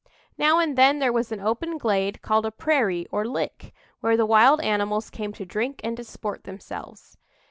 Now and then there was an open glade called a prairie or "lick," where the wild animals came to drink and disport themselves.